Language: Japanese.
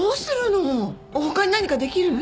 他に何かできる？